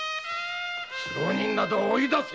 素浪人など追い出せ！